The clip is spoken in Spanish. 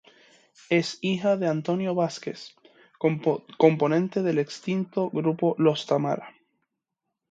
Es hija de Antonio Vázquez, componente del extinto grupo Los Tamara.